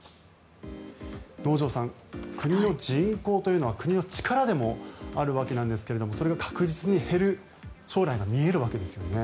能條さん、国の人口というのは国の力でもあるわけなんですがそれが確実に減る将来が見えるわけですよね。